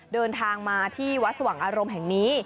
เดินทางมาที่วัดสว่างอารมณ์แห่งนี้